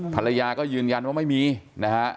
ภรรยาก็ยืนยันว่าไม่มีนะฮะ